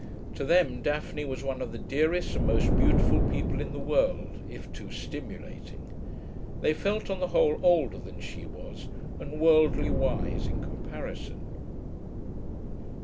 To them Daphne was one of the dearest and most beautiful people in the world, if too stimulating. They felt, on the whole, older than she was, and worldly wise in comparison.